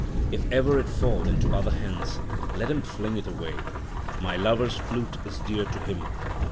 If ever it fall into other hands,— let him fling it away. My lover's flute is dear to him.